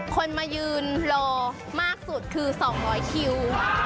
คนมายืนรอมากสุดคือ๒๐๐คิว